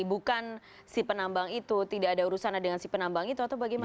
bukan si penambang itu tidak ada urusannya dengan si penambang itu atau bagaimana